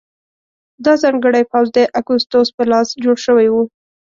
دا ځانګړی پوځ د اګوستوس په لاس جوړ شوی و